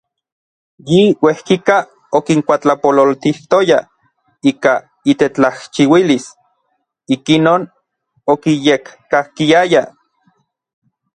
Yi uejkika okinkuatlapololtijtoya ika itetlajchiuilis, ikinon okiyekkakiayaj.